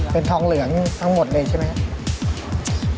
เป็นทองเหลืองทั้งหมดเลยใช่ไหมครับ